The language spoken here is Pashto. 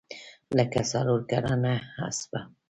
لکه څلورکلنه اسپه.